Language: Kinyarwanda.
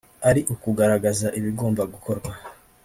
ari ukugaragaza ibigomba gukorwa